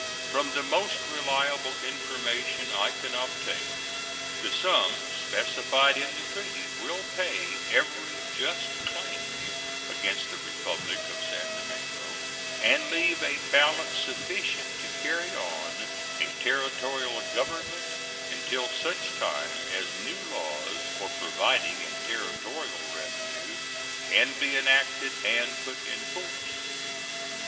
From the most reliable information I can obtain, the sum specified in the treaty will pay every just claim against the Republic of San Domingo and leave a balance sufficient to carry on a Territorial government until such time as new laws for providing a Territorial revenue can be enacted and put in force.